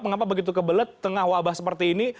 mengapa begitu kebelet tengah wabah seperti ini